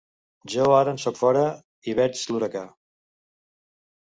Jo ara en sóc fora i veig l’huracà.